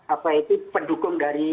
apa itu pendukung dari